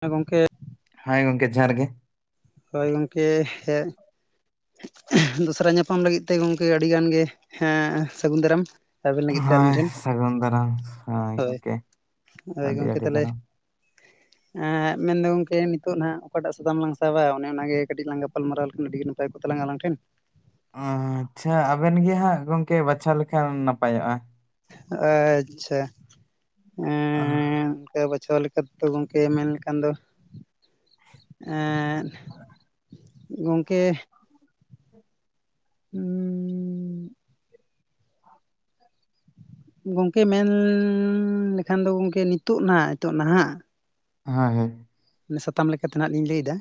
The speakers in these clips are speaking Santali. ᱦᱮᱸ ᱜᱚᱢᱠᱮ ᱦᱟᱭ ᱜᱚᱢᱠᱮ ᱡᱚᱦᱟᱨ ᱜᱮ ᱦᱳᱭ ᱜᱚᱢᱠᱮ ᱦᱮᱡ ᱫᱚᱥᱨᱟ ᱧᱟᱯᱟᱢ ᱞᱟᱹᱜᱤᱫ ᱛᱮ ᱜᱚᱢᱠᱮ ᱟᱹᱰᱤᱜᱟᱱ ᱜᱮ ᱦᱮᱸ ᱥᱟᱹᱜᱩᱱ ᱫᱟᱨᱟᱢ ᱟᱵᱮᱱ ᱞᱟᱹᱜᱤᱫ ᱛᱮ ᱦᱳᱭ ᱟᱹᱞᱤᱧ ᱴᱷᱮᱱ ᱥᱟᱹᱜᱩᱱ ᱫᱟᱨᱟᱢ ᱦᱳᱭ ᱜᱚᱝᱠᱮ ᱦᱳᱭ ᱟᱹᱰᱤ ᱜᱚᱢᱠᱮ ᱟᱹᱰᱤ ᱛᱟᱦᱚᱞᱮ [inaudible] ᱫᱟᱨᱟᱢ᱾ ᱦᱮᱸ ᱢᱮᱱᱫᱟ ᱜᱚᱝᱠᱮ ᱱᱤᱛᱳ ᱱᱟᱦᱟᱸᱜ ᱚᱠᱟᱴᱟᱜ ᱥᱟᱫᱟᱢ ᱞᱟᱝ ᱥᱟᱵᱟ ᱚᱱᱮ ᱚᱱᱟᱜᱮ ᱠᱟᱹᱴᱤᱡ ᱞᱟᱝ ᱜᱟᱯᱟᱞᱢᱟᱨᱟᱣ ᱞᱮᱠᱷᱟᱱ ᱟᱹᱰᱤ ᱜᱮ ᱱᱟᱯᱟᱭ ᱛᱟᱦᱮ ᱠᱚᱜ ᱛᱟᱞᱟᱝ ᱟᱞᱟᱝ ᱴᱷᱮᱱ ᱚ ᱟᱪᱪᱷᱟ ᱟᱵᱮᱱ ᱜᱮ ᱦᱟᱸᱜ ᱜᱚᱝᱠᱮ ᱵᱟᱪᱷᱟᱣ ᱞᱮᱠᱷᱟᱱ ᱱᱟᱯᱟᱭᱚᱜᱼᱟ ᱟᱪᱪᱷᱟ ᱦᱳᱭ ᱠᱟ ᱵᱚᱪᱷᱚᱣ ᱞᱮᱠᱟᱮᱫᱚ ᱜᱚᱝᱠᱮ ᱢᱮᱱ ᱞᱮᱠᱷᱟᱱ ᱫᱚ ᱜᱚᱝᱠᱮ ᱩᱸᱼᱼ ᱜᱚᱝᱠᱮ ᱢᱮᱱ ᱞᱮᱠᱷᱟᱱ ᱫᱚ ᱜᱚᱝᱠᱮ ᱱᱤᱛᱚᱜ ᱱᱟᱦᱟᱸᱜ ᱱᱤᱛᱚᱜ ᱱᱟᱦᱟᱸᱜ ᱦᱮᱸ ᱦᱳᱭ ᱥᱟᱛᱟᱢ ᱞᱮᱠᱟᱛᱮ ᱱᱟᱦᱟᱸᱜ ᱞᱤᱧ ᱞᱟᱹᱭᱫᱟ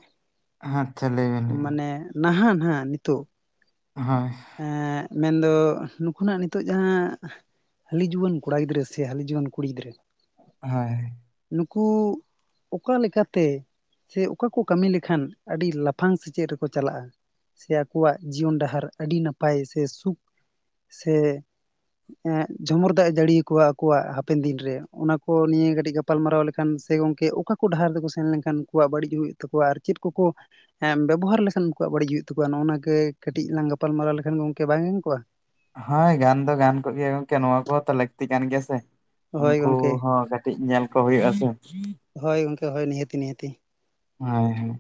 ᱟᱪᱪᱷᱟ ᱞᱟᱹᱭ ᱵᱮᱱ ᱞᱟᱹᱭ ᱵᱮᱱ ᱢᱟᱱᱮ ᱱᱟᱦᱟᱸᱜ ᱱᱟᱜ ᱱᱤᱛᱳᱜ ᱦᱳᱭ ᱮᱸᱜ ᱢᱮᱱᱫᱚ ᱱᱩᱠᱩᱱᱟᱜ ᱱᱤᱛᱚᱜ ᱡᱟᱦᱟᱸ ᱦᱟᱹᱞᱤ ᱡᱩᱣᱟᱹᱱ ᱠᱚᱲᱟ ᱜᱤᱫᱽᱨᱟᱹ ᱦᱟᱹᱞᱤ ᱡᱩᱣᱟᱹᱱ ᱠᱩᱲᱤ ᱜᱤᱫᱽᱨᱟᱹ ᱦᱳᱭ ᱱᱩᱠᱩ ᱚᱠᱟ ᱞᱮᱠᱟᱛᱮ ᱥᱮ ᱚᱠᱟ ᱠᱚ ᱠᱟᱹᱢᱤ ᱞᱮᱠᱷᱟᱱ ᱟᱹᱰᱤ ᱞᱟᱯᱷᱟᱝ ᱥᱮᱪᱮᱫ ᱨᱮᱠᱚ ᱪᱟᱞᱟᱜᱼᱟ ᱥᱮ ᱟᱠᱚᱣᱟᱜ ᱡᱤᱭᱚᱱ ᱰᱟᱦᱟᱨ ᱟᱨ ᱟᱹᱰᱤ ᱱᱟᱯᱟᱭ ᱥᱮ ᱥᱩᱠ ᱥᱮ ᱡᱷᱚᱢᱩᱨ ᱫᱟᱜ ᱮ ᱡᱟᱹᱲᱤᱭᱟᱚᱣᱟ ᱟᱠᱚᱣᱟᱜ ᱦᱟᱯᱮᱱ ᱫᱤᱱ ᱨᱮ ᱚᱱᱟ ᱠᱚ ᱱᱤᱭᱟᱹ ᱠᱟᱹᱴᱤᱡ ᱜᱟᱯᱟ ᱜᱟᱯᱟᱞᱢᱟᱨᱟᱣ ᱞᱮᱠᱷᱟᱱ ᱥᱮ ᱜᱚᱝᱠᱮ ᱚᱠᱟ ᱠᱚ ᱰᱟᱦᱟᱨ ᱛᱮᱠᱚ ᱥᱮᱱ ᱞᱮᱱᱠᱷᱟᱱ ᱩᱱᱠᱩᱣᱟᱜ ᱵᱟᱹᱲᱤᱡ ᱦᱩᱭᱩᱜ ᱛᱟᱠᱚᱣᱟ ᱟᱨ ᱪᱮᱫ ᱠᱚ ᱦᱮᱸ ᱵᱮᱵᱚᱦᱟᱨ ᱞᱮᱠᱷᱟᱱ ᱩᱱᱠᱩᱣᱟᱜ ᱵᱟᱹᱲᱤᱡ ᱦᱩᱭᱩᱜ ᱛᱟᱠᱚᱣᱟ ᱱᱚᱜᱼᱚᱱᱟ ᱜᱮ ᱠᱟᱹᱴᱤᱡ ᱞᱟᱝ ᱜᱟᱯᱟᱞᱢᱟᱨᱟᱣ ᱞᱮᱠᱷᱟᱱ ᱜᱚᱝᱠᱮ ᱵᱟᱝ ᱜᱟᱱ ᱠᱚᱜᱼᱟ ᱦᱳᱭ ᱜᱟᱱ ᱫᱚ ᱜᱟᱱ ᱠᱚᱜ ᱜᱮᱭᱟ ᱜᱚᱝᱠᱮ ᱱᱚᱣᱟ ᱠᱚ ᱦᱚᱸ ᱞᱟᱹᱠᱛᱤ ᱠᱟᱱ ᱜᱮᱭᱟ ᱥᱮ ᱦᱳᱭ ᱩᱱᱠᱩ ᱜᱚᱝᱠᱮ ᱦᱚᱸ ᱠᱟᱹᱴᱤᱡ ᱧᱮᱞ ᱠᱚ ᱦᱩᱭᱩᱜᱼᱟ ᱥᱮ ᱦᱳᱭ ᱜᱚᱝᱠᱮ ᱦᱳ ᱱᱤᱦᱟᱹᱛᱤ ᱱᱤᱦᱟᱹᱛᱤ ᱦᱮᱭ ᱦᱮᱸ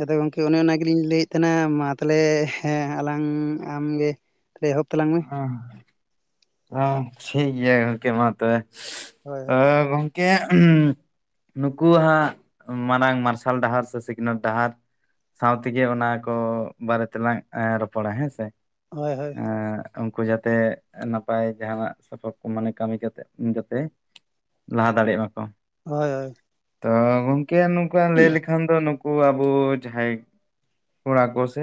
ᱟᱫᱚ ᱜᱚᱢᱠᱮ ᱚᱱᱮ ᱚᱱᱟ ᱜᱮᱞᱤᱧ ᱞᱟᱹᱭᱮᱫ ᱛᱟᱦᱮᱱᱟ ᱢᱟ ᱛᱟᱦᱚᱞᱮ ᱦᱮᱸ ᱟᱞᱟᱝ ᱟᱢ ᱜᱮ ᱛᱟᱦᱞᱮ ᱮᱦᱚᱵ ᱛᱟᱞᱟᱝ ᱢᱮ᱾ ᱚ ᱦᱚᱸ ᱴᱷᱤᱠ ᱜᱮᱭᱟ ᱜᱚᱢᱠᱮ ᱢᱟ ᱛᱚᱵᱮ ᱦᱳᱭ ᱛᱚ ᱜᱚᱝ ᱠᱮ ᱱᱩᱠᱩᱣ ᱦᱟᱜ ᱢᱟᱨᱟᱝ ᱢᱟᱨᱥᱟᱞ ᱰᱟᱦᱟᱨ ᱥᱮ ᱥᱤᱠᱷᱱᱟᱹᱛ ᱰᱟᱦᱟᱨ ᱥᱟᱶ ᱛᱮᱜᱮ ᱚᱱᱟ ᱠᱚ ᱵᱟᱨᱮ ᱛᱮᱞᱟᱝ ᱨᱚᱯᱚᱲᱟ ᱦᱮᱸ ᱥᱮ? ᱦᱳᱭ ᱦᱳᱭ ᱮᱸ ᱩᱱᱠᱩ ᱡᱟᱛᱮ ᱱᱟᱯᱟᱭ ᱡᱟᱦᱟ ᱥᱟᱯᱟᱯ ᱠᱚ ᱢᱟᱱᱮ ᱠᱟᱹᱢᱤ ᱠᱟᱛᱮ ᱡᱟᱛᱮ ᱞᱟᱦᱟ ᱫᱟᱲᱮᱜ ᱢᱟᱠᱚ᱾ ᱦᱳᱭ ᱦᱳᱭ ᱛᱚ ᱜᱚᱝᱠᱮ ᱱᱚᱝᱠᱟ ᱞᱟᱹᱭ ᱞᱮᱠᱷᱟᱱ ᱫᱚ ᱱᱩ ᱠᱚ ᱟᱵᱚ ᱡᱟᱦᱟᱸᱭ ᱠᱚᱲᱟ ᱠᱚ ᱥᱮ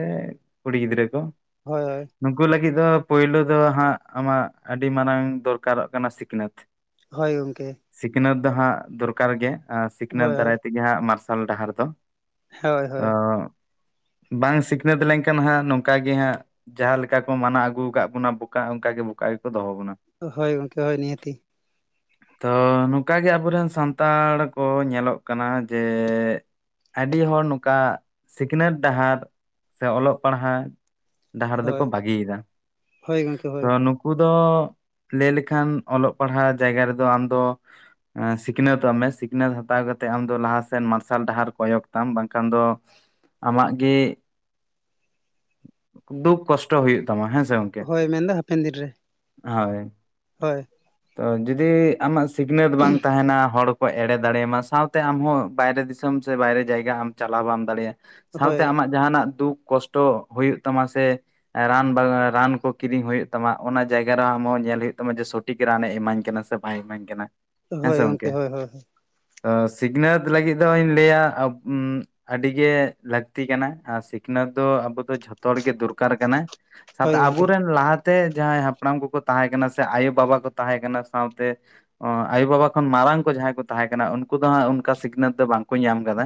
ᱠᱩᱲᱤ ᱜᱤᱫᱽᱨᱟᱹ ᱠᱚ, ᱦᱳᱭ ᱦᱳᱭ ᱱᱩᱠᱩ ᱞᱟᱹᱜᱤᱫ ᱫᱚ ᱯᱳᱭᱞᱳ ᱫᱚ ᱦᱟᱸᱜ ᱟᱢᱟᱜ ᱟᱹᱰᱤ ᱢᱟᱨᱟᱝ ᱫᱚᱨᱠᱟᱨᱚᱜ ᱠᱟᱱᱟ ᱥᱤᱠᱷᱱᱟᱹᱛ᱾ ᱦᱳᱭ ᱜᱚᱝᱠᱮ ᱥᱤᱠᱷᱱᱟᱹᱛ ᱫᱚ ᱦᱟᱸᱜ ᱫᱚᱨᱠᱟᱨ ᱜᱮ ᱥᱤᱠᱷᱱᱟᱹᱛ ᱦᱳᱭ ᱫᱟᱨᱟᱭ ᱛᱮᱜᱮ ᱦᱟᱸᱜ ᱢᱟᱨᱥᱟᱞ ᱰᱟᱦᱟᱨ ᱫᱚ᱾ ᱦᱳᱭ ᱦᱳᱭ ᱚᱸᱜ ᱵᱟᱝ ᱥᱤᱠᱷᱱᱟᱹᱛ ᱞᱮᱱᱠᱷᱟᱱ ᱦᱟᱸᱜ ᱱᱚᱝᱠᱟ ᱜᱮ ᱦᱟᱸᱜ ᱡᱟᱦᱟᱸ ᱞᱮᱠᱟ ᱠᱚ ᱢᱟᱱᱟᱣ ᱟᱹᱜᱩ ᱠᱟᱜ ᱵᱚᱱᱟ ᱵᱚᱠᱟ ᱚᱱᱠᱟᱜᱮ ᱵᱚᱠᱟ ᱜᱮᱠᱚ ᱫᱚᱦᱚ ᱵᱚᱱᱟ᱾ ᱦᱳᱭ ᱜᱚᱢᱠᱮ ᱦᱳᱭ ᱱᱤᱦᱟᱹᱛᱤ᱾ ᱛᱚ ᱱᱚᱝᱠᱟᱜᱮ ᱟᱵᱚᱨᱮᱱ ᱥᱟᱱᱛᱟᱲ ᱠᱚ ᱧᱮᱞᱚᱜ ᱠᱟᱱᱟ ᱡᱮ ᱟᱹᱰᱤ ᱦᱚᱲ ᱱᱚᱝᱠᱟ ᱥᱤᱠᱷᱱᱟᱹᱛ ᱰᱟᱦᱟᱨ ᱥᱮ ᱚᱞᱚᱜ ᱯᱟᱲᱦᱟᱣ ᱰᱟᱦᱟᱨ ᱦᱳᱭ ᱫᱚᱠᱚ ᱵᱟᱹᱜᱤᱭ ᱮᱫᱟ᱾ ᱦᱳᱭ ᱜᱚᱝᱠᱮ ᱦᱳᱭ ᱛᱚ ᱱᱩᱠᱩ ᱫᱚ ᱞᱟᱹᱭ ᱞᱮᱠᱷᱟᱱ ᱚᱞᱚᱜ ᱯᱟᱲᱦᱟᱜ ᱡᱟᱭᱜᱟ ᱨᱮᱫᱚ ᱟᱢ ᱫᱚ ᱥᱤᱠᱷᱱᱟᱹᱛᱚᱜ ᱢᱮ ᱥᱤᱠᱷᱱᱟᱹᱛ ᱦᱟᱛᱟᱣ ᱠᱟᱛᱮᱮᱫ ᱟᱢ ᱫᱚ ᱞᱟᱦᱟ ᱥᱮᱱ ᱢᱟᱨᱥᱟᱞ ᱰᱟᱦᱟᱨ ᱠᱚᱭᱚᱜ ᱛᱟᱢ ᱵᱟᱝᱠᱷᱟᱱ ᱫᱚ ᱟᱢᱟᱜ ᱜᱮ ᱫᱩᱠ ᱠᱚᱥᱴᱚ ᱦᱩᱭᱩᱜ ᱛᱟᱢᱟ ᱦᱮᱸ ᱥᱮ? ᱜᱚᱝᱠᱮ ᱦᱳᱭ ᱢᱮᱱ ᱫᱚ ᱦᱟᱯᱮᱱ ᱫᱤᱱ ᱨᱮ᱾ ᱦᱳᱭ ᱦᱳᱭ ᱛᱚ ᱡᱩᱫᱤ ᱟᱢᱟᱜ ᱥᱤᱠᱷᱱᱟᱹᱛ ᱵᱟᱝ ᱛᱟᱦᱮᱱᱟ ᱦᱚᱲ ᱠᱚ ᱮᱲᱮ ᱫᱟᱲᱮᱭᱟᱢᱟ ᱥᱟᱶᱛᱮ ᱟᱢᱦᱚᱸ ᱵᱟᱭᱨᱮ ᱫᱤᱥᱚᱢ ᱥᱮ ᱵᱟᱭᱨᱮ ᱡᱟᱭᱜᱟ ᱟᱢ ᱪᱟᱞᱟᱣ ᱵᱟᱢ ᱫᱟᱲᱮᱭᱟᱜᱼᱟ᱾ ᱦᱳᱭ ᱥᱟᱶᱛᱮ ᱟᱢᱟᱜ ᱡᱟᱦᱟᱱᱟᱜ ᱫᱩᱠ ᱠᱚᱥᱴᱚ ᱦᱩᱭᱩᱜ ᱛᱟᱢᱟ ᱥᱮ ᱨᱟᱱ ᱨᱟᱱ ᱠᱚ ᱠᱤᱨᱤᱧ ᱦᱩᱭᱩᱜ ᱛᱟᱢᱟ ᱚᱱᱟ ᱡᱟᱭᱜᱟ ᱨᱮ ᱟᱢᱦᱚᱸ ᱧᱮᱞ ᱦᱩᱭᱩᱜ ᱛᱟᱢᱟ ᱡᱮ ᱥᱚᱴᱷᱤᱠ ᱨᱟᱱᱮ ᱤᱢᱟᱹᱧ ᱠᱟᱱᱟ ᱥᱮ ᱵᱟᱭ ᱤᱢᱟᱹᱧ ᱠᱟᱱᱟ᱾ ᱦᱮᱸ ᱦᱳᱭ ᱥᱮ ᱜᱚᱢᱠᱮ ᱜᱚᱝᱠᱮ ᱦᱳᱭ ᱦᱳᱭ ᱛᱚ ᱥᱤᱠᱷᱱᱟᱹᱛ ᱞᱟᱹᱜᱤᱫ ᱫᱚᱧ ᱞᱟᱹᱭᱟ ᱟᱵ ᱟᱹᱰᱤᱜᱮ ᱞᱟᱹᱠᱛᱤ ᱠᱟᱱᱟ ᱟᱨ ᱥᱤᱠᱷᱱᱟᱹᱛ ᱫᱚ ᱟᱵᱚ ᱫᱚ ᱡᱷᱚᱛᱚ ᱦᱚᱲᱜᱮ ᱫᱚᱨᱠᱟᱨ ᱠᱟᱱᱟ᱾ ᱦᱳᱭ ᱥᱟᱶᱛᱮ ᱜᱚᱝᱠᱮ ᱟᱵᱚᱨᱮᱱ ᱞᱟᱦᱟᱛᱮ ᱡᱟᱦᱟᱸᱭ ᱦᱟᱯᱲᱟᱢ ᱠᱚᱠᱚ ᱛᱟᱦᱮᱸ ᱠᱟᱱᱟ ᱥᱮ ᱟᱭᱳ ᱵᱟᱵᱟ ᱠᱚ ᱛᱟᱦᱮᱸ ᱠᱟᱱᱟ ᱥᱟᱶᱛᱮ ᱟᱭᱳᱵᱟᱵᱟ ᱠᱷᱚᱱ ᱢᱟᱨᱟᱝ ᱠᱚ ᱡᱟᱦᱟᱸᱭ ᱠᱚ ᱛᱟᱦᱮᱸ ᱠᱟᱱᱟ ᱩᱱᱠᱩ ᱫᱚ ᱦᱟᱸᱜ ᱚᱱᱠᱟ ᱥᱤᱠᱷᱱᱟᱹᱛ ᱫᱚ ᱵᱟᱝ ᱠᱚ ᱧᱟᱢ ᱟᱠᱟᱫᱟ,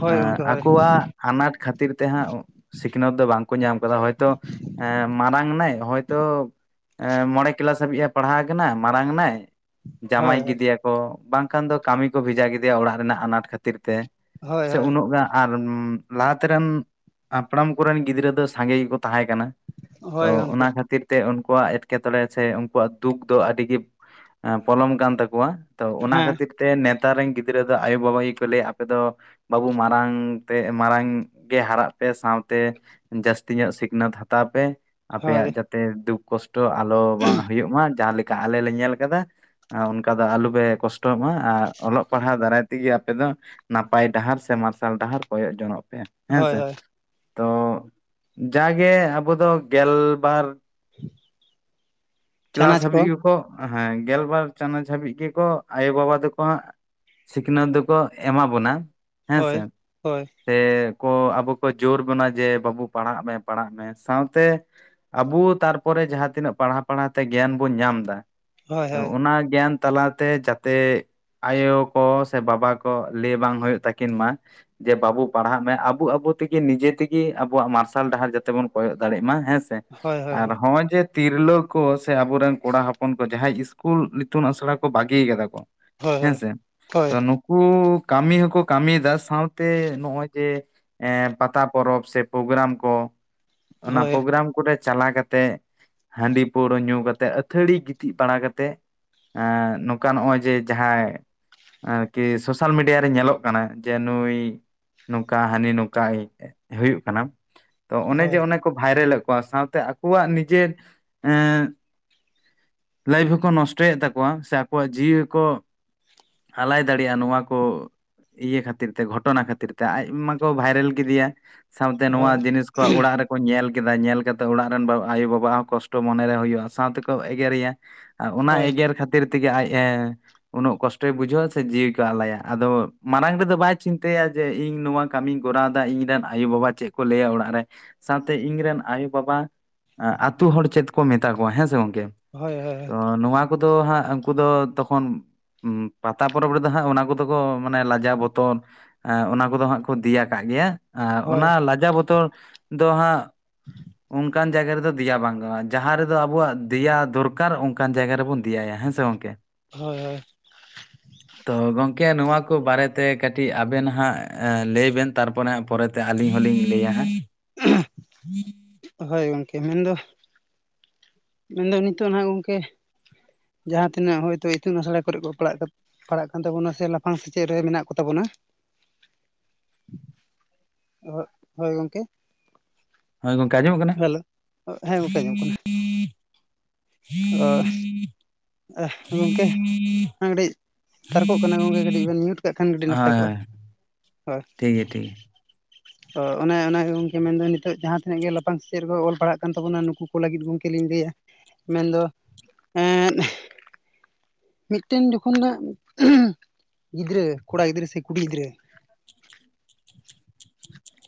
ᱦᱳᱭ ᱜᱚᱝᱠᱮ ᱦᱳᱭ ᱟᱠᱚᱣᱟᱜ ᱟᱱᱟᱴ ᱠᱷᱟᱹᱛᱤᱨ ᱛᱮ ᱦᱟᱜ ᱥᱤᱠᱷᱱᱟᱹᱛ ᱫᱚ ᱵᱟᱝᱠᱚ ᱧᱟᱢ ᱟᱠᱟᱫᱟ ᱦᱚᱭᱛᱚ ᱮᱸᱜ ᱢᱟᱨᱟᱝ ᱱᱟᱭ ᱦᱚᱭᱛᱚ ᱢᱚᱬᱮ ᱠᱮᱞᱟᱥ ᱦᱟᱹᱵᱤᱡ ᱮ ᱯᱟᱲᱦᱟᱣ ᱠᱟᱱᱟ ᱢᱟᱨᱟᱝ ᱱᱟᱭ ᱦᱳᱭ ᱡᱟᱢᱟᱭ ᱜᱤᱫᱮᱭᱟᱠᱚ ᱵᱟᱝᱠᱷᱟᱱ ᱫᱚ ᱠᱟᱹᱢᱤ ᱠᱚ ᱵᱷᱮᱡᱟ ᱠᱮᱫᱮᱭᱟ ᱚᱲᱟᱜ ᱨᱮᱱᱟᱜ ᱟᱱᱟᱴ ᱠᱷᱟᱹᱛᱤᱨ ᱛᱮ᱾ ᱦᱳᱭ ᱥᱮ ᱦᱳᱭ ᱩᱱᱟᱹᱜ ᱜᱟᱱ ᱟᱨ ᱞᱟᱦᱟᱛᱮ ᱨᱮᱱ ᱦᱟᱯᱲᱟᱢ ᱠᱚᱨᱮᱱ ᱜᱤᱫᱽᱨᱟᱹ ᱫᱚ ᱥᱟᱸᱜᱮ ᱜᱮᱠᱚ ᱛᱟᱦᱮᱸ ᱠᱟᱱᱟ᱾ ᱛᱚ ᱦᱳᱭ ᱚᱱᱟ ᱜᱚᱝᱠᱮ ᱠᱷᱟᱹᱛᱤᱨ ᱛᱮ ᱩᱱᱠᱩᱣᱟᱜ ᱮᱴᱠᱮᱴᱚᱬᱮ ᱥᱮ ᱩᱱᱠᱩᱣᱟᱜ ᱫᱩᱠ ᱫᱚ ᱟᱹᱰᱤᱜᱮ ᱯᱚᱞᱚᱢ ᱠᱟᱱ ᱛᱟᱠᱚᱣᱟ᱾ ᱛᱚ ᱚᱱᱟ ᱦᱮᱸ ᱠᱷᱟᱹᱛᱤᱨ ᱛᱮ ᱱᱮᱛᱟᱨ ᱨᱮᱱ ᱜᱤᱫᱽᱨᱟᱹ ᱫᱚ ᱟᱭᱳᱼᱵᱟᱵᱟ ᱜᱮᱠᱚ ᱞᱟᱹᱭᱟ ᱟᱯᱮ ᱫᱚ ᱵᱟᱹᱵᱩ ᱢᱟᱨᱟᱝ ᱛᱮ ᱢᱟᱨᱟᱝ ᱜᱮ ᱦᱟᱨᱟᱜ ᱯᱮ ᱥᱟᱶᱛᱮ ᱡᱟᱹᱥᱛᱤ ᱧᱚᱜ ᱥᱤᱠᱷᱱᱟᱹᱛ ᱦᱟᱛᱟᱣ ᱯᱮ, ᱟᱯᱮᱭᱟᱜ ᱦᱳᱭ ᱡᱟᱛᱮ ᱫᱩᱠ ᱠᱚᱥᱴᱚ ᱟᱞᱚ ᱵᱟᱝ ᱦᱩᱭᱩᱜ ᱢᱟ ᱡᱟᱦᱟᱸ ᱞᱮᱠᱟ ᱟᱞᱮ ᱞᱮ ᱧᱮᱞ ᱠᱟᱫᱟ, ᱚᱱᱠᱟ ᱫᱚ ᱟᱞᱚᱯᱮ ᱠᱚᱥᱴᱚᱜ ᱢᱟ᱾ ᱟᱨ ᱚᱞᱚᱜ ᱯᱟᱲᱦᱟᱣ ᱫᱟᱨᱟᱭ ᱛᱮᱜᱮ ᱟᱯᱮ ᱫᱚ ᱱᱟᱯᱟᱭ ᱰᱟᱦᱟᱨ ᱥᱮ ᱢᱟᱨᱥᱟᱞ ᱰᱟᱦᱟᱨ ᱠᱚᱭᱚᱜ ᱡᱚᱱᱚᱜ ᱯᱮ᱾ ᱦᱳᱭ ᱦᱮᱸᱥᱮ ᱦᱳᱭ ᱛᱚ ᱡᱟᱜᱮ ᱟᱵᱚ ᱫᱚ ᱜᱮᱞᱵᱟᱨ ᱠᱞᱟᱥᱵᱤ ᱠᱚ ᱦᱮᱸ ᱜᱮᱞᱵᱟᱨ ᱪᱟᱱᱟᱪ ᱦᱟᱹᱵᱤᱡ ᱜᱮᱠᱚ ᱟᱭᱳ ᱵᱟᱵᱟ ᱛᱟᱠᱚᱣᱟ ᱥᱤᱠᱷᱱᱟᱹᱛ ᱫᱚᱠᱚ ᱮᱢᱟ ᱵᱚᱱᱟ ᱦᱮᱸ ᱦᱳᱭ ᱥᱮ ᱦᱳᱭ ᱛᱮ ᱠᱚ ᱟᱵᱚ ᱠᱚ ᱡᱳᱨ ᱵᱚᱱᱟ ᱡᱮ ᱵᱟᱹᱵᱩ ᱯᱟᱲᱦᱟᱜ ᱢᱮ ᱯᱟᱲᱦᱟᱜ ᱢᱮ ᱥᱟᱶᱛᱮ ᱟᱵᱚ ᱛᱟᱨᱯᱚᱨᱮ ᱡᱟᱦᱟᱸ ᱛᱤᱱᱟᱹᱜ ᱯᱟᱲᱦᱟᱣ ᱯᱟᱲᱦᱟᱣ ᱛᱮ ᱜᱮᱭᱟᱱ ᱵᱚᱱ ᱧᱟᱢ ᱫᱟ ᱦᱳᱭ ᱦᱳᱭ ᱚᱱᱟ ᱜᱮᱭᱟᱱ ᱛᱟᱞᱟᱛᱮ ᱡᱟᱛᱮ ᱟᱭᱳ ᱠᱚ ᱥᱮ ᱵᱟᱵᱟ ᱠᱚ ᱞᱟᱹᱭ ᱵᱟᱝ ᱦᱩᱭᱩᱜ ᱛᱟᱹᱠᱤᱱ ᱢᱟ ᱡᱮ ᱵᱟᱵᱩ ᱯᱟᱲᱦᱟᱜ ᱢᱮ ᱟᱵᱚ ᱟᱵᱚ ᱛᱮᱜᱮ ᱱᱤᱡᱮ ᱛᱮᱜᱮ ᱟᱵᱚᱣᱟᱜ ᱢᱟᱨᱥᱟᱞ ᱰᱟᱦᱟᱨ ᱡᱟᱛᱮ ᱵᱚᱱ ᱠᱚᱭᱚᱜ ᱫᱟᱲᱮᱜ ᱢᱟ ᱦᱮᱸ ᱥᱮᱸ ᱦᱳᱭ ᱟᱨ ᱦᱳᱭ ᱦᱳᱭ ᱦᱚᱸᱜᱼᱚᱭ ᱡᱮ ᱛᱤᱨᱞᱟᱹ ᱠᱚ ᱥᱮ ᱟᱵᱚᱨᱮᱱ ᱠᱚᱲᱟ ᱦᱚᱯᱚᱱ ᱠᱚ ᱡᱟᱦᱟᱸᱭ ᱤᱥᱠᱩᱞ ᱤᱛᱩᱱ ᱟᱥᱲᱟ ᱠᱚ ᱵᱟᱹᱜᱤ ᱠᱟᱫᱟ ᱠᱚ ᱦᱮᱸ ᱦᱳᱭ ᱥᱮ ᱦᱳᱭ ᱛᱚ ᱱᱩᱼᱼ ᱠᱩ ᱠᱟᱹᱢᱤ ᱦᱚᱸᱠᱚ ᱠᱟᱹᱢᱤᱭᱫᱟ ᱥᱟᱶᱛᱮ ᱱᱚᱜᱼᱚᱭ ᱡᱮ ᱮ ᱯᱟᱛᱟ ᱯᱚᱨᱚᱵᱽ ᱥᱮ ᱯᱨᱳᱜᱨᱟᱢ ᱠᱚ ᱚᱱᱟ ᱦᱳᱭ ᱯᱨᱳᱜᱨᱟᱢ ᱠᱚᱨᱮ ᱪᱟᱞᱟᱣ ᱠᱟᱛᱮ ᱦᱟᱺᱰᱤ ᱯᱟᱹᱣᱨᱟᱹ ᱧᱩ ᱠᱟᱛᱮ ᱟᱹᱛᱷᱟᱹᱲᱤ ᱜᱤᱛᱤᱡ ᱵᱟᱲᱟ ᱠᱟᱛᱮ ᱮᱸ ᱱᱚᱝᱠᱟ ᱱᱚᱜᱼᱚᱭ ᱡᱮ ᱡᱟᱦᱟᱸᱭ ᱟᱨᱠᱤ ᱥᱳᱥᱟᱞ ᱢᱤᱰᱤᱭᱟ ᱨᱮ ᱧᱮᱞᱚᱜ ᱠᱟᱱᱟ ᱡᱮ ᱱᱩᱭ ᱱᱚᱝᱠᱟ ᱦᱟᱹᱱᱤ ᱱᱚᱝᱠᱟᱭ ᱦᱩᱭᱩᱜ ᱠᱟᱱᱟ ᱛᱚ ᱚᱱᱮ ᱡᱮ ᱦᱳᱭ ᱚᱱᱮ ᱠᱚ ᱵᱷᱟᱭᱨᱟᱞᱮ ᱠᱚᱣᱟ ᱥᱟᱶᱛᱮ ᱟᱠᱚᱣᱟᱜ ᱱᱤᱡᱮ ᱮ ᱞᱟᱭᱤᱯᱷ ᱦᱚᱸᱠᱚ ᱱᱚᱥᱴᱚᱭᱮᱫ ᱛᱟᱠᱚᱣᱟ ᱥᱮ ᱟᱠᱚᱣᱟᱜ ᱡᱤᱣᱤ ᱠᱚ ᱟᱞᱟᱭ ᱫᱟᱲᱮᱭᱟᱜᱼᱟ ᱱᱚᱣᱟ ᱠᱚ ᱤᱭᱟᱹ ᱠᱷᱟᱹᱛᱤᱨ ᱛᱮ ᱜᱷᱚᱴᱚᱱᱟ ᱠᱷᱟᱹᱛᱤᱨ ᱛᱮ ᱟᱡ ᱢᱟᱠᱚ ᱵᱷᱟᱭᱨᱟᱞ ᱠᱮᱫᱮᱭᱟ ᱥᱟᱶᱛᱮ ᱱᱚᱣᱟ ᱦᱳᱭ ᱡᱤᱱᱤᱥ ᱠᱚ ᱚᱲᱟᱜ ᱨᱮ ᱠᱚ ᱧᱮᱞ ᱠᱮᱫᱟ ᱧᱮᱞ ᱠᱟᱛᱮᱫ ᱚᱲᱟᱜ ᱨᱮᱱ ᱟᱭᱳᱼᱵᱟᱵᱟ ᱦᱚᱸ ᱠᱚᱥᱴᱚ ᱢᱚᱱᱮᱨᱮ ᱦᱩᱭᱩᱜᱼᱟ ᱥᱟᱶᱛᱮᱠᱚ ᱮᱜᱨᱮᱭᱟ ᱟᱨ ᱚᱱᱟ ᱦᱳᱭ ᱮᱜᱮᱨ ᱠᱷᱟᱹᱛᱤᱨ ᱛᱮᱜᱮ ᱟᱡ ᱮ ᱩᱱᱟᱹᱜ ᱠᱚᱥᱴᱚᱭ ᱵᱩᱡᱷᱟᱹᱣ ᱟᱥᱮ ᱡᱤᱣᱤ ᱠᱚ ᱟᱞᱟᱭᱟ ᱟᱫᱚ ᱢᱟᱲᱟᱝ ᱨᱮᱫᱚ ᱵᱟᱭ ᱪᱤᱱᱛᱟᱹᱭᱟ ᱡᱮ ᱤᱧ ᱱᱚᱣᱟ ᱠᱟᱹᱢᱤᱧ ᱠᱚᱨᱟᱣᱫᱟ ᱤᱧ ᱨᱮᱱ ᱟᱭᱳᱼᱵᱟᱵᱟ ᱪᱮᱫ ᱠᱚ ᱞᱟᱹᱭᱟ ᱚᱲᱟᱜ ᱨᱮ ᱥᱟᱶᱛᱮ ᱤᱧ ᱨᱮᱱ ᱟᱭᱳᱼᱵᱟᱵᱟ ᱟᱛᱩ ᱦᱚᱲ ᱪᱮᱫ ᱠᱚ ᱢᱮᱛᱟ ᱠᱚᱣᱟ ᱦᱮᱸ ᱥᱮ ᱜᱚᱝᱠᱮ ᱦᱳᱭ ᱛᱚ ᱦᱳᱭ ᱱᱚᱣᱟ ᱩᱱᱠᱩ ᱫᱚ ᱦᱟᱸᱜ ᱩᱱᱠᱩ ᱫᱚ ᱛᱚᱠᱷᱚᱱ ᱯᱟᱛᱟ ᱯᱚᱨᱚᱵᱽ ᱨᱮᱫᱚ ᱦᱟᱸᱜ ᱚᱱᱟ ᱠᱚᱫᱚ ᱠᱚ ᱢᱟᱱᱮ ᱞᱟᱡᱟ ᱵᱚᱛᱚᱨ ᱮ ᱚᱱᱟ ᱠᱚᱫᱚ ᱦᱟᱸᱜ ᱠᱚ ᱫᱮᱭᱟ ᱠᱫ ᱜᱮᱭᱟ ᱮ ᱚᱱᱟ ᱦᱳᱭ ᱞᱟᱡᱟ ᱵᱚᱛᱚᱨ ᱫᱚ ᱦᱟᱸᱜ ᱚᱱᱠᱟᱱ ᱡᱟᱭᱜᱟ ᱨᱮᱫᱚ ᱫᱮᱭᱟ ᱵᱟᱝ ᱜᱟᱱᱚᱜᱼᱟ ᱡᱟᱦᱟᱸ ᱨᱮᱫᱚ ᱟᱵᱚᱣᱟᱜ ᱫᱮᱭᱟ ᱫᱚᱨ ᱠᱟᱨ ᱚᱱᱠᱟᱱ ᱡᱟᱭᱜᱟ ᱨᱮᱵᱚᱱ ᱫᱮᱭᱟᱭᱟ ᱦᱮᱸ ᱥᱮ ᱜᱚᱝᱠᱮ ᱦᱳᱭ ᱦᱳᱭ ᱛᱚ ᱜᱚᱢᱠᱮ ᱱᱚᱣᱟ ᱠᱚ ᱵᱟᱨᱮᱛᱮ ᱠᱟᱹᱴᱤᱡ ᱟᱵᱮᱱ ᱦᱟᱸᱜ ᱞᱟᱹᱭ ᱵᱮᱱ ᱛᱟᱨᱯᱚᱨᱮ ᱦᱟᱸᱜ ᱯᱚᱨᱮ ᱛᱮ ᱟᱹᱞᱤᱧ ᱦᱚᱞᱤᱧ ᱞᱟᱹᱭᱟ ᱦᱟᱸᱜ ᱦᱳᱭ ᱜᱚᱝᱠᱮ ᱤᱧᱱᱫᱚ ᱢᱮᱱᱫᱚ ᱱᱤᱛᱚᱜ ᱦᱟᱜ ᱜᱚᱝᱠᱮ ᱡᱟᱦᱟᱸ ᱛᱤᱱᱟᱹᱜ ᱦᱚᱭᱛᱳ ᱤᱛᱩᱱ ᱟᱥᱲᱟ ᱠᱚᱨᱮ ᱠᱚ ᱯᱟᱲᱦᱟᱜ ᱯᱟᱲᱟᱜ ᱠᱟᱱ ᱛᱟᱵᱚᱱᱟ ᱥᱮ ᱞᱟᱯᱷᱟᱝ ᱥᱮᱪᱮᱫ ᱨᱮ ᱢᱮᱱᱟᱜ ᱠᱚ ᱛᱟᱵᱚᱱᱟ ᱦᱳ ᱦᱳᱭ ᱜᱚᱝᱠᱮ ᱦᱳ ᱜᱚᱝᱠᱮ ᱟᱡᱚᱢᱚᱜ ᱠᱟᱱ ᱦᱮᱞᱳ ᱦᱮᱸ ᱜᱚᱢᱠᱮ ᱟᱡᱚᱢᱚᱜ ᱠᱟᱱᱟ ᱚ ᱟᱦ ᱜᱚᱝᱠᱮ ᱚᱱᱟ ᱠᱟᱹᱴᱤᱡ ᱛᱟᱨᱠᱚᱜ ᱠᱟᱱᱟ ᱜᱚᱢᱠᱮ ᱠᱟᱹᱴᱤᱡ ᱵᱮᱱ ᱢᱤᱭᱩᱴ ᱠᱟᱜ ᱠᱷᱟᱱ ᱠᱟᱹᱴᱤᱡ ᱱᱟᱯᱟᱭ ᱦᱳᱭ ᱠᱚᱜᱼᱟ ᱦᱳᱭ ᱴᱷᱤᱠ ᱜᱮᱭᱟ ᱴᱷᱤᱠ ᱜᱮᱭᱟ ᱛᱚ ᱚᱱᱮ ᱚᱱᱟᱜᱮ ᱜᱚᱝᱠᱮ ᱢᱮᱱᱫᱚ ᱱᱤᱛᱚᱜ ᱡᱟᱦᱟᱸᱛᱤᱱᱟᱹ ᱜᱮ ᱞᱟ ᱯᱟᱝ ᱥᱮᱫ ᱨᱮᱠᱚ ᱚᱞ ᱯᱟᱲᱦᱟᱜ ᱠᱟᱱ ᱛᱟᱵᱚᱱᱟ ᱱᱩᱠᱩ ᱠᱚ ᱞᱟᱹᱜᱤᱫ ᱜᱚᱢᱠᱮ ᱞᱤᱧ ᱞᱟᱹᱭᱟ ᱢᱮᱱᱫᱚ ᱮᱫ ᱢᱤᱫᱴᱮᱱ ᱡᱚᱠᱷᱚᱱᱟᱜ ᱜᱤᱫᱽᱨᱟᱹ ᱠᱚᱲᱟ ᱜᱤᱫᱽᱨᱟᱹ ᱥᱮ ᱠᱩᱲᱤ ᱜᱤᱫᱽᱨᱟᱹ